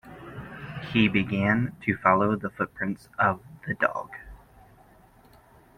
He began to follow the footprints of the dog.